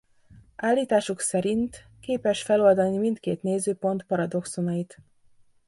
Állításuk szerint képes feloldani mindkét nézőpont paradoxonait.